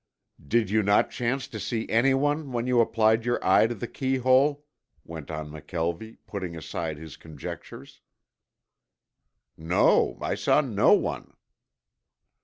"You did not chance to see anyone when you applied your eye to the key hole?" went on McKelvie, putting aside his conjectures. "No, I saw no one."